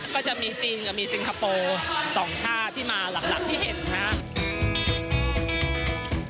ก็จะมีจีนกับมีซิงคโปร์๒ชาติที่มาหลักที่เห็นนะครับ